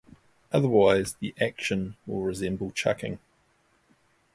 Otherwise, the action will resemble chucking.